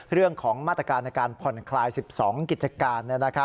เรื่องของมาตรการในการผ่อนคลาย๑๒กิจการ